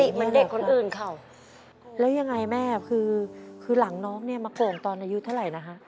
ตอนอยู่ปซ่องหลังมันตุ้ยขึ้นมาครูเขาเลยว่าทำไมล่ะอเรนนี่แค่ที่แขนคือหลังเหลืองน้องก็เป็นปกติเหมือนเด็กคนอื่นครับ